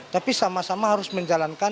tapi sama sama harus menjalankan